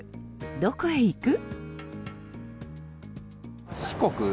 どこへ行く？